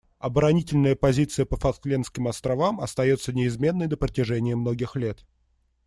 Оборонительная позиция по Фолклендским островам остается неизменной на протяжении многих лет.